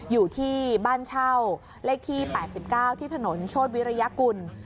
อยู่ที่บ้านเช่าเลขที่๘๙ที่ถนนโชธวิริยกุล